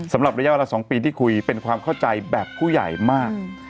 สำหรับระยะเวลา๒ปีที่คุยเป็นความเข้าใจแบบผู้ใหญ่มาก